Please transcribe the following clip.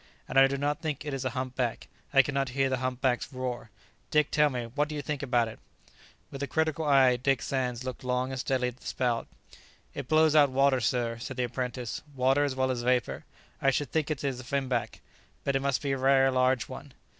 And I do not think it is a hump back. I cannot hear the hump back's roar. Dick, tell me, what do you think about it?" With a critical eye Dick Sands looked long and steadily at the spout. "It blows out water, sir," said the apprentice, "water, as well as vapour. I should think it is a finback. But it must be a rare large one."